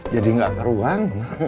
jadi gak keruang